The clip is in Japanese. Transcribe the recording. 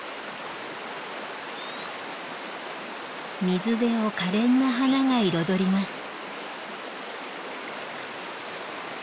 水辺を可憐な花が彩ります。